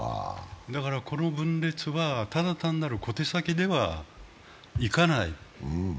この分裂はただ単なる小手先ではいかない。